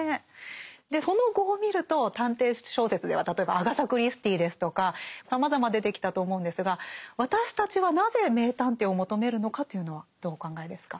その後を見ると探偵小説では例えばアガサ・クリスティーですとかさまざま出てきたと思うんですが私たちはなぜ名探偵を求めるのか？というのはどうお考えですか？